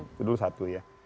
itu dulu satu ya